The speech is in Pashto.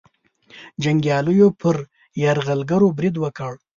جنګیالیو پر یرغلګرو برید وکړ.